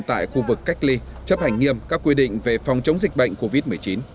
tại khu vực cách ly chấp hành nghiêm các quy định về phòng chống dịch bệnh covid một mươi chín